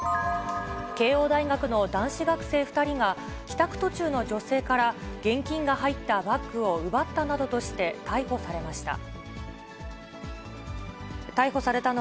慶応大学の男子学生２人が、帰宅途中の女性から、現金が入ったバッグを奪ったなどとして逮捕されました。